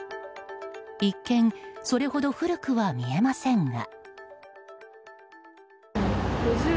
一見それほど古くは見えませんが。